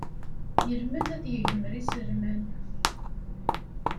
Yelmed ad yegmer iselman.